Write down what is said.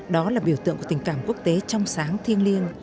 đó là biểu tượng của tình cảm quốc tế trong sáng thiên liêng